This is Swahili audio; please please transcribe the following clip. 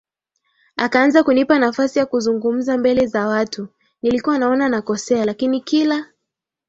akaanza kunipa nafasi ya kuzungumza mbele za watu nilikuwa naona nakosea lakini kila